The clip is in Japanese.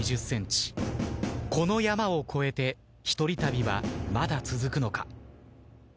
この山をこえて一人旅はまだ続くのか？